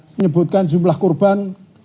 menyebutkan jumlah kurban